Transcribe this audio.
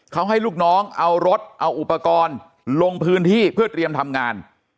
เขาให้ลูกน้องเอารถเอาอุปกรณ์ลงพื้นที่เพื่อเตรียมทำงาน